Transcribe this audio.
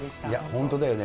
本当だよね。